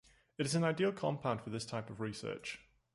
It is an ideal compound for this type of research.